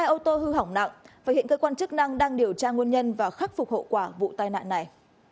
hai ô tô hư hỏng nặng và hiện cơ quan chức năng đang điều tra nguồn nhân và khắc phục hậu quả vụ tai nạn này